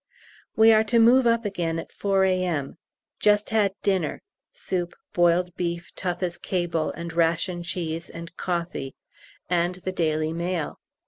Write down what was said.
We are to move up again at 4 A.M. Just had dinner (soup, boiled beef as tough as a cable, and ration cheese and coffee), and the 'Daily Mail.'